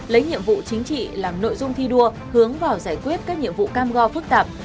lấy nhiệm vụ chính trị làm nội dung thi đua hướng vào giải quyết các nhiệm vụ cam go phức tạp